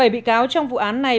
bảy bị cáo trong vụ án này